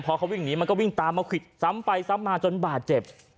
พอเขาวิ่งหนีมันก็วิ่งตามมาควิดซ้ำไปซ้ำมาจนบาดเจ็บ